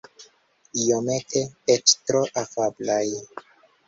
Iomete eĉ tro afablaj.